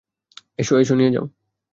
এসো এসে নিয়ে যাও।